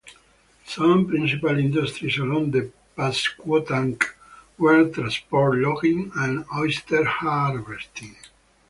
Some principal industries along the Pasquotank were transport, logging, and oyster harvesting.